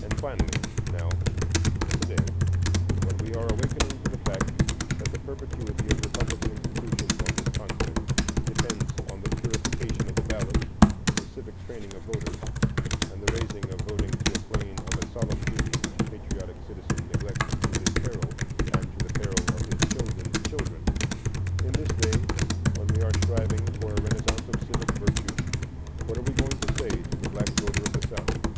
And finally, now, to day, when we are awakening to the fact that the perpetuity of republican institutions on this continent depends on the purification of the ballot, the civic training of voters, and the raising of voting to the plane of a solemn duty which a patriotic citizen neglects to his peril and to the peril of his children's children,—in this day, when we are striving for a renaissance of civic virtue, what are we going to say to the black voter of the South?